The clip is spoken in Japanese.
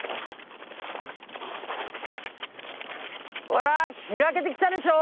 ほら開けてきたでしょ！